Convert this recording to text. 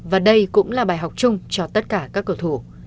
và đây cũng là bài học chung cho tất cả các cầu thủ